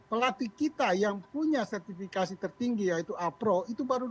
pelatih kita yang punya sertifikasi tertinggi yaitu apro itu baru dua puluh empat orang